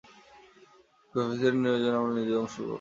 Coefficient নির্ণয়ের জন্য আমরা নিচের অংকটুক করবো।